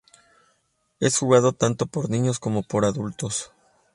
Es jugado tanto por niños como por adultos.